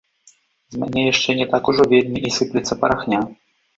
З мяне яшчэ не так ужо вельмі і сыплецца парахня.